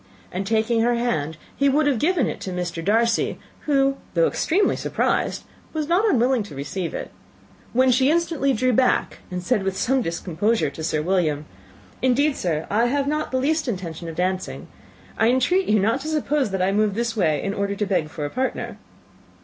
And, taking her hand, he would have given it to Mr. Darcy, who, though extremely surprised, was not unwilling to receive it, when she instantly drew back, and said with some discomposure to Sir William, "Indeed, sir, I have not the least intention of dancing. I entreat you not to suppose that I moved this way in order to beg for a partner."